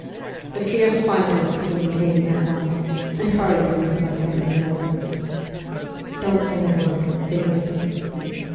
' The fierce fighters became tame at once, and hurriedly put my things in order. ' Don't say a word,' they whispered.